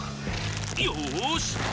よし！